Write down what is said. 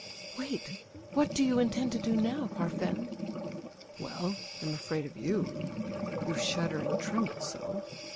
"Wait! What do you intend to do now, Parfen?" "Well, I'm afraid of you. You shudder and tremble so.